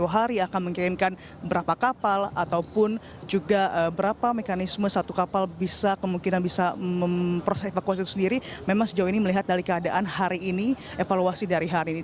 sepuluh hari akan mengirimkan berapa kapal ataupun juga berapa mekanisme satu kapal bisa kemungkinan bisa memproses evakuasi itu sendiri memang sejauh ini melihat dari keadaan hari ini evaluasi dari hari ini